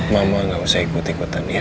mama gak usah ikut ikutan ya